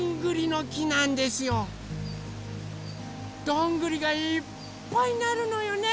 どんぐりがいっぱいなるのよね